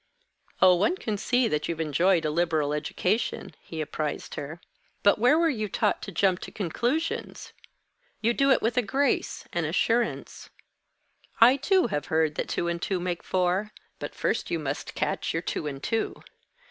"Oh, one can see that you've enjoyed a liberal education," he apprised her. "But where were you taught to jump to conclusions? You do it with a grace, an assurance. I too have heard that two and two make four; but first you must catch your two and two.